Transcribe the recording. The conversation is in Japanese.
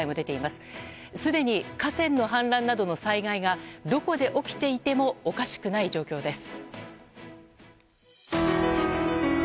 すでに河川の氾濫などの災害がどこで起きていてもおかしくない状況です。